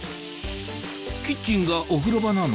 キッチンがお風呂場なの？